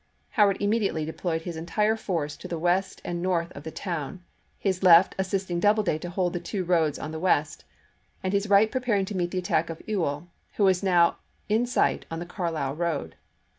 Howard immediately deployed his entire force to the west and north of the town, his left as sisting Doubleday to hold the two roads on the west and his right preparing to meet the attack of Ewell, who was now in sight on the Carlisle road.